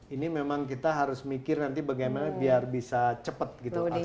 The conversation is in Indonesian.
ini memang kita harus mikir nanti bagaimana biar bisa cepat gitu